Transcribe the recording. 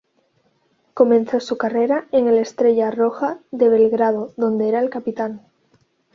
Comenzó su carrera en el Estrella Roja de Belgrado donde era el capitán.